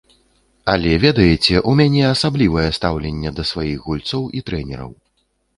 Але, ведаеце, у мяне асаблівае стаўленне да сваіх гульцоў і трэнераў.